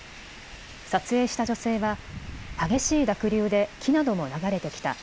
撮影した女性は激しい濁流で木なども流れてきた。